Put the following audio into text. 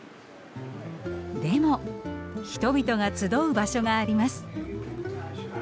でも人々が集う場所があります。